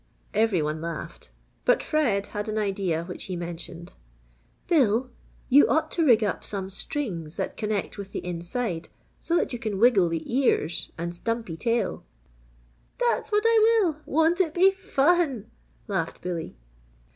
Every one laughed, but Fred had an idea which he mentioned. "Bill, you ought to rig up some strings that connect with the inside so that you can wiggle the ears and stumpy tail." "That's what I will! Won't it be fun?" laughed Billy.